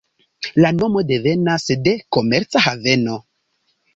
La nomo devenas de "komerca haveno.